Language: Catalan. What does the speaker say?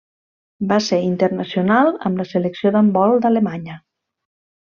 Va ser internacional amb la Selecció d'handbol d'Alemanya.